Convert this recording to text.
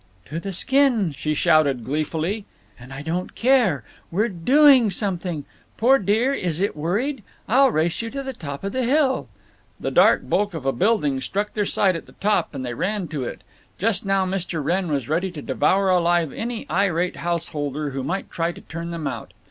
"To the skin!" she shouted, gleefully. "And I don't care! We're doing something. Poor dear, is it worried? I'll race you to the top of the hill." The dark bulk of a building struck their sight at the top, and they ran to it. Just now Mr. Wrenn was ready to devour alive any irate householder who might try to turn them out.